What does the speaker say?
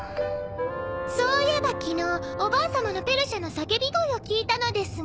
そういえば昨日おばあ様のペルシャの叫び声を聞いたのですが。